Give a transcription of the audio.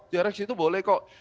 direksi itu boleh kok